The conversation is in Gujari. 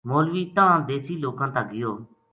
مولوی تنہاں دیسی لوکاں تا گیو